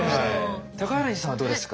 高柳さんはどうですか？